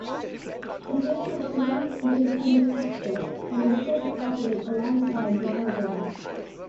The Mayor was not an independent actor and instead would operate alongside the Alderman.